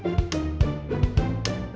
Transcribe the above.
ini yang harus ditutup